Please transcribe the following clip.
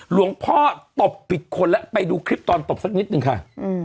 หลวงพ่อตบปิดคนแล้วไปดูคลิปตอนตบสักนิดนึงค่ะ